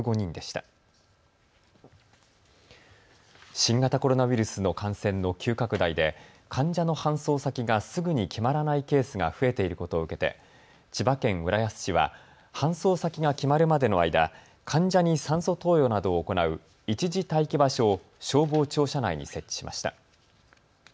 新型コロナウイルスの感染の急拡大で患者の搬送先がすぐに決まらないケースが増えていることを受けて千葉県浦安市は搬送先が決まるまでの間、患者に酸素投与などを行う一時待機場所を消防庁舎内に設置しました。